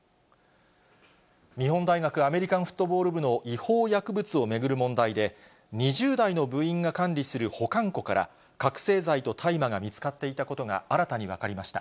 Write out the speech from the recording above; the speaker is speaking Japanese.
日本大学アメリカンフットボール部の違法薬物を巡る問題で、２０代の部員が管理する保管庫から、覚醒剤と大麻が見つかっていたことが新たに分かりました。